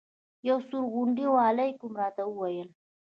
یو سوړ غوندې وعلیکم یې راته وویل.